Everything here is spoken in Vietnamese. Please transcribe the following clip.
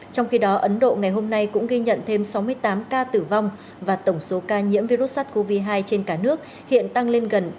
trong khi đó ấn độ ngày hôm nay cũng ghi nhận thêm sáu mươi tám ca tử vong và tổng số ca nhiễm virus sát covid hai trên cả nước hiện tăng lên gần ba người